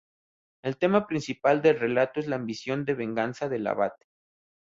El tema principal del relato es la ambición de venganza del abate.